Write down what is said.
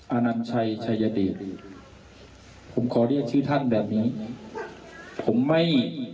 ท่านอานันชัยชายเดชไปได้ผมคอเรียกชื่อท่านแบบนี้ผมไม่